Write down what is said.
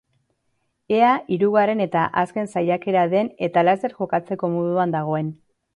Ea hirugarren eta azken saiakera den eta laster jokatzeko moduan dagoen.